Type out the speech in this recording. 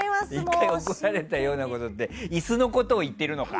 １回怒られたようなことって椅子のことを言っているのか？